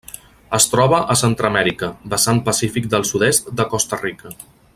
Es troba a Centreamèrica: vessant pacífic del sud-est de Costa Rica.